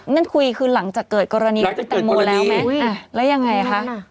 นั่นคุยคือหลังจากเกิดกรณีแต่มัวแล้วไหมอุ้ยแล้วยังไงคะ